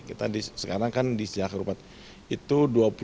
kita sekarang kan di sejak harupat itu dua puluh tujuh dua ratus